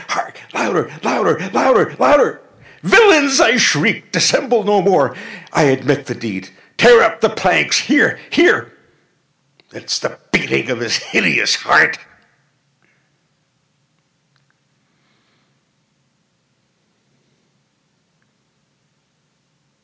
—hark! louder! louder! louder! louder! "Villains!" I shrieked, "dissemble no more! I admit the deed!—tear up the planks!—here, here!—It is the beating of his hideous heart!"